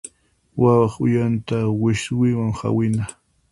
Wawaq uyanta wiswiwan hawina.